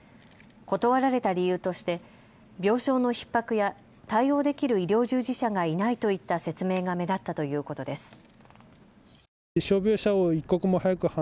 断られた理由として病床のひっ迫や対応できる医療従事者がいないといった説明が目立ったということです。